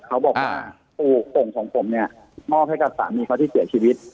เขาบอกว่าถูกส่งของผมเนี่ยมอบให้กับสามีเขาที่เสียชีวิต